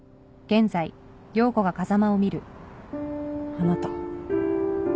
あなた。